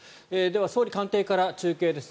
では、総理官邸から中継です。